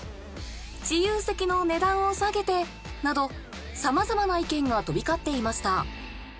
「自由席の値段を下げて」などさまざまな意見が飛び交っていました。